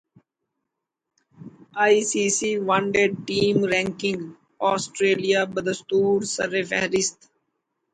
I C C one day team ranking Australia بدستورسرفہرست